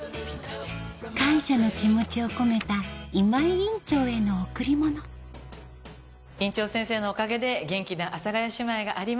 感謝の気持ちを込めた院長先生のおかげで元気な阿佐ヶ谷姉妹があります。